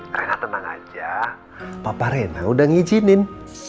karena tenang aja papa rena udah ngijinin